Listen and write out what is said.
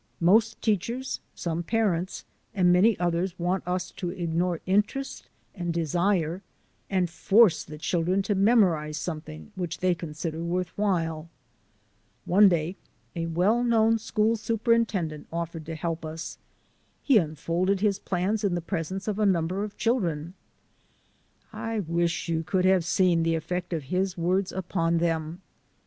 Most teachers, some parents, and many others want us to ignore interest and desire and force the children to memorize something which they con sider worth while. One day a well known school superintendent CHILDREN OF MY TRAIL SCHOOL 173 offered to help us. He unfolded his plans in the presence of a number of the children. I wish you could have seen the effect of his words upon them!